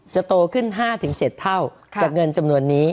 จะโตขึ้น๕๗เท่า